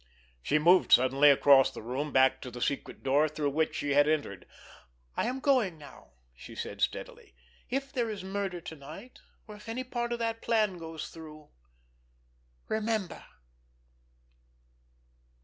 She moved suddenly across the room, back to the secret door through which she had entered. "I am going now," she said steadily. "If there is murder to night, or if any part of that plan goes through—_remember!